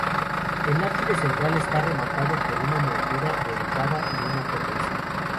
El ábside central está rematado por una moldura dentada y una cornisa.